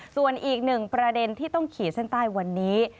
ส่วนอีกหนึ่งประเด็นที่ต้องขีดเส้นใต้วันนี้